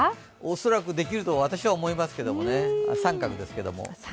恐らく、できると私は思いますけどね、△ですけれども。